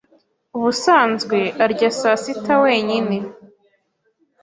ubusanzwe arya saa sita wenyine.